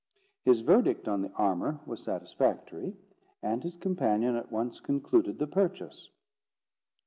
His verdict on the armour was satisfactory, and his companion at once concluded the purchase.